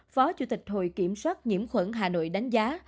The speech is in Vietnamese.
phó chủ tịch hội kiểm soát nhiễm khuẩn hà nội đánh giá